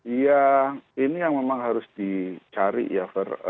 iya ini yang memang harus dicari ya